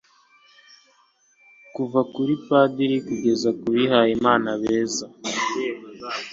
Kuva kuri padiri kugeza kubihayimana beza